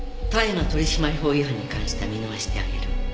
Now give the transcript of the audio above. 大麻取締法違反に関しては見逃してあげる。